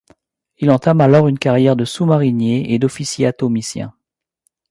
Il entame alors une carrière de sous-marinier et d'officier atomicien.